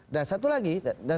dan satu lagi